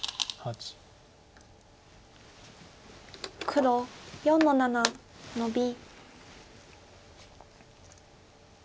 黒４の七ノビ。